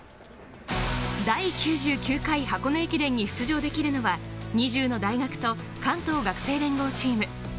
第９９回箱根駅伝に出場できるのは２０の大学と関東学生連合チーム。